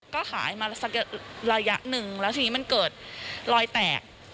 ก็ขายมาสักระยะหนึ่งแล้วทีนี้มันเกิดรอยแตก